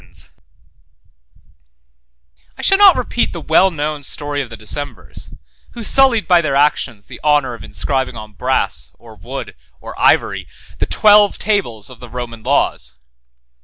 —M] I shall not repeat the well known story of the Decemvirs, 11 who sullied by their actions the honor of inscribing on brass, or wood, or ivory, the Twelve Tables of the Roman laws.